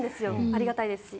ありがたいですし。